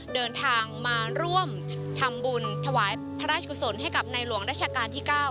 เดินทางมาร่วมทำบุญถวายพระราชกุศลให้กับในหลวงราชการที่๙